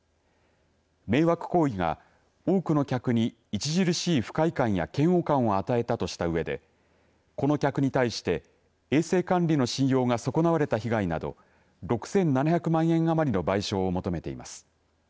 迷惑行為が多くの客に著しい不快感や嫌悪感を与えたとしたうえでこの客に対して衛生管理の信用が損なわれた被害など６７００万円余りの賠償を求めています。